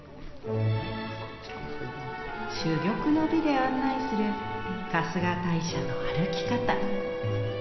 珠玉の美で案内する春日大社の歩き方。